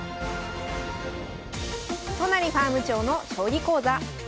都成ファーム長の将棋講座。